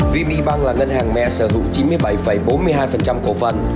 vb bangk là ngân hàng mẹ sở hữu chín mươi bảy bốn mươi hai cổ phần